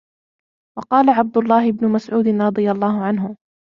وَقَالَ عَبْدُ اللَّهِ بْنُ مَسْعُودٍ رَضِيَ اللَّهُ عَنْهُ